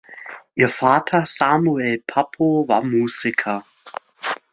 Ihr Vater Samuel Papo war Musiker.